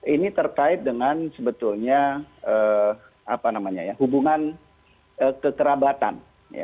ini terkait dengan sebetulnya hubungan kekerabatan